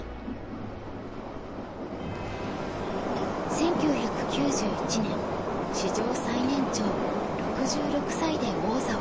１９９１年史上最年長６６歳で王座を獲得。